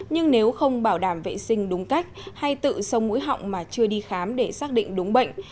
nhưng nếu không bảo đảm vệ sinh đúng cách hay tự do mũi họng mà chưa đi khám để xác định đúng bệnh